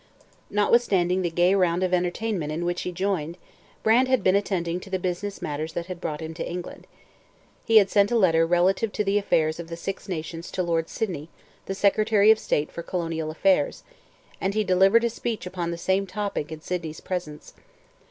Notwithstanding the gay round of entertainment in which he joined, Brant had been attending to the business matters that had brought him to England. He had sent a letter relative to the affairs of the Six Nations to Lord Sydney, the secretary of state for Colonial Affairs, and he delivered a speech upon the same topic in Sydney's presence.